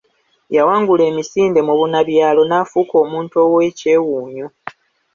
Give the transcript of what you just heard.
Yawangula emisinde mubunabyalo n’afuuka omuntu ow’ekyewuunyo.